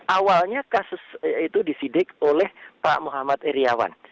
awalnya kasus itu disidik oleh pak muhammad iryawan